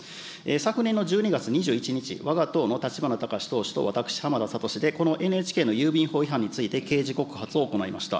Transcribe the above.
昨年の１２月２１日、わが党の立花孝志党首と、私、浜田聡で、このＮＨＫの郵便法違反について刑事告発を行いました。